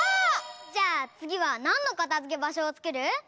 じゃあつぎはなんのかたづけばしょをつくる？